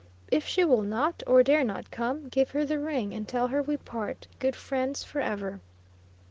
If she will not, or dare not come, give her the ring, and tell her we part, good friends, forever."